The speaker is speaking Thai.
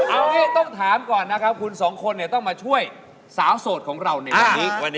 เอางี้ต้องถามก่อนนะครับคุณสองคนต้องมาช่วยสาวโสดของเราในวันนี้